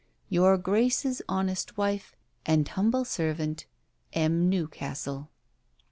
"Your grace's honest wife, "and humble servant, "M. NEWCASTLE."